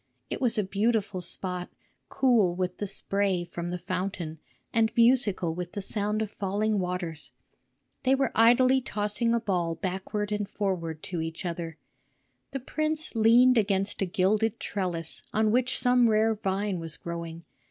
It was a beautiful spot, cool with the spray from the fountain and musical with the sound of falling waters. They were idly tossing a ball backward and forward to each other. The prince leaned against a gilded trellis on which some rare vine was growing.